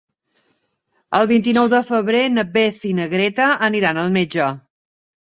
El vint-i-nou de febrer na Beth i na Greta aniran al metge.